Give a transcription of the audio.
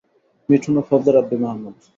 মিঠুন ও ফজলে রাব্বী মাহমুদ।